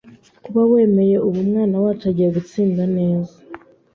kuba wemeye ubu umwana wacu agiye gutsinda neza